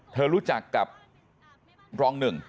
เธอรู้จักกับรองหนึ่ง